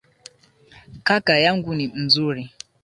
Kaka yangu ni mzuri.